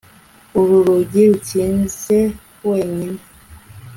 Uru rugi rukinze wenyine